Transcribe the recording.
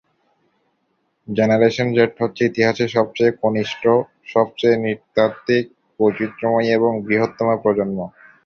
Generation Z হচ্ছে ইতিহাসে সবচেয়ে কনিষ্ঠ, সবচেয়ে নৃতাত্ত্বিক-বৈচিত্র্যময় এবং বৃহত্তম প্রজন্ম।